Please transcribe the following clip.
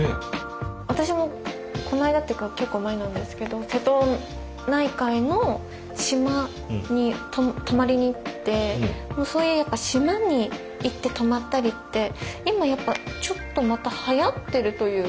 私もこの間っていうか結構前なんですけど瀬戸内海の島に泊まりに行ってそういう島に行って泊まったりって今やっぱちょっとまたはやっているというか。